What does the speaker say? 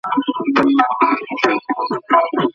ممکن ستاسو يو شی بد ايسي، خو په هغه کي مو خير وي.